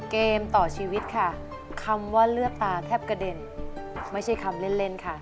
เกมต่อชีวิตค่ะคำว่าเลือดตาแทบกระเด็นไม่ใช่คำเล่นค่ะ